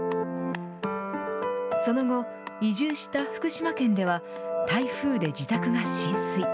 その後、移住した福島県では台風で自宅が浸水。